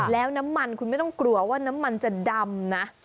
แล้วน้ำมันคุณไม่ต้องกลัวว่าน้ำมันจะดำนะ